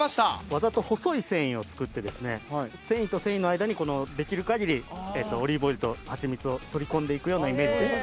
わざと細い繊維を作って繊維と繊維の間にできる限りオリーブオイルとハチミツを取り込んで行くイメージです。